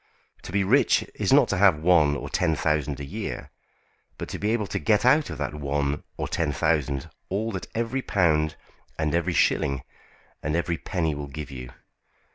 To be rich is not to have one or ten thousand a year, but to be able to get out of that one or ten thousand all that every pound, and every shilling, and every penny will give you.